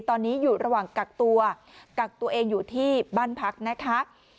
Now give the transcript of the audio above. ตอนนี้อยู่ระหว่างกักตัวกักตัวเองอยู่ที่บ้านพักนะคะ